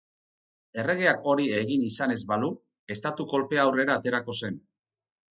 Erregeak hori egin izan ez balu, estatu-kolpea aurrera aterako zen.